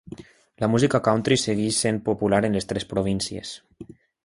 La música country segueix sent popular en les tres províncies.